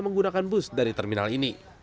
menggunakan bus dari terminal ini